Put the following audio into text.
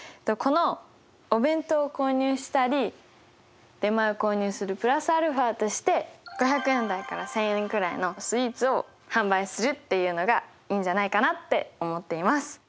このお弁当を購入したり出前を購入するプラスアルファとして５００円台から１，０００円くらいのスイーツを販売するっていうのがいいんじゃないかなって思っています。